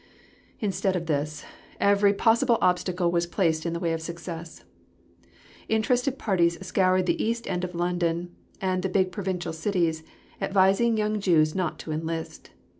Instead of this, every possible obstacle was placed in the way of success. Interested parties scoured the East end of London and the big provincial cities, advising young Jews not to enlist.